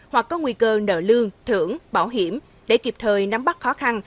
hoặc có nguy cơ nợ lương thưởng bảo hiểm để kịp thời nắm bắt khó khăn